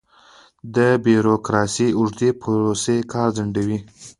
د بیروکراسۍ اوږدې پروسې کار ځنډوي.